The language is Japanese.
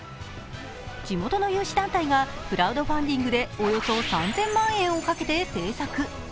地元の有志団体がクラウドファンディングでおよそ３０００万円をかけて制作。